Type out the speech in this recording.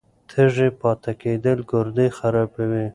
تږی پاتې کېدل ګردې خرابوي.